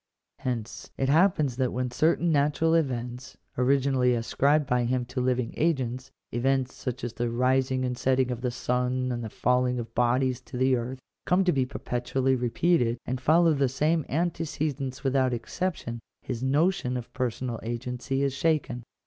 Hence it happens that when certain natural events, originally ascribed by him to living agents — events such as the rising and setting of the sun and the falling of bodies to the earth — come to be perpetually repeated, and follow the same antecedents without exception, his notion of personal agency is shaken.